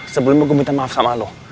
sebelumnya gue minta maaf sama lu